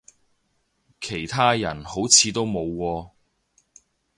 其他人好似都冇喎